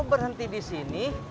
kok berhenti di sini